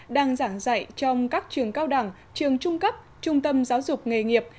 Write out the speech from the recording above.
đang giảng dạy trong các trường cao đẳng trường trung cấp trung tâm giáo dục nghề nghiệp